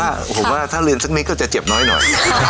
ผมว่าถ้าลืมสักนิดก็จะเจ็บน้อยหน่อย